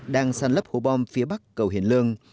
đang san lấp hố bom phía bắc cầu hiền lương